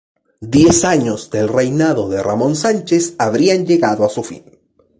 Diez años del reinado de Ramón Sánchez habrían llegado a su fin.